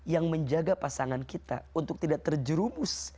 yang menjaga pasangan kita untuk tidak terjerumus